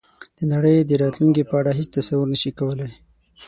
د نړۍ د راتلونکې په اړه هېڅ تصور نه شي کولای.